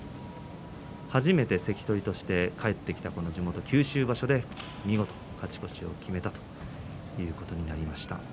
初めて関取として帰ってきたこの地元、九州場所で見事、勝ち越しを決めました。